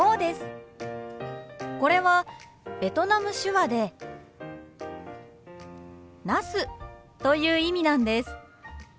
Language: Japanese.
これはベトナム手話でナスという意味なんです。